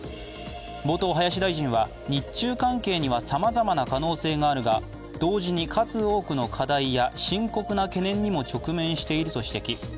冒頭、林大臣は、日中関係にはさまざまな可能性があるが、同時に数多くの課題や深刻な懸念にも直面していると指摘。